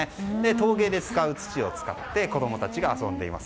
陶芸で使う土を使って子供たちが遊んでいます。